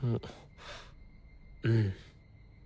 うん。